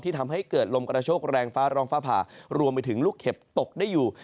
ทำให้เกิดลมกระโชคแรงฟ้าร้องฟ้าผ่ารวมไปถึงลูกเห็บตกได้อยู่